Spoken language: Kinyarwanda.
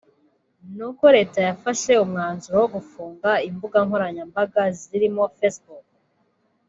ni uko Leta yafashe umwanzuro wo gufunga imbuga nkoranyambaga zirimo facebook